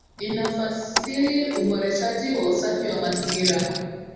Inafasili uboreshaji wa usafi wa mazingira